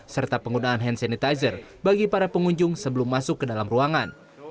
serta penggunaan hand sanitizer bagi para pengunjung sebelum masuk ke dalam ruangan